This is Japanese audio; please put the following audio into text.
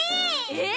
えっ？